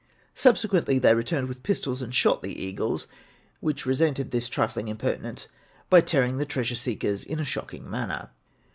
Subsequently they returned with pistols and shot the eagles, which resented this trifling impertinence by tearing the treasure seekers in a shocking manner.